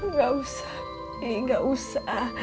enggak usah enggak usah